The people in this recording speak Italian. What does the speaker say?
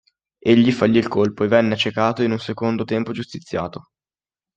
Egli fallì il colpo, e venne accecato e in un secondo tempo giustiziato.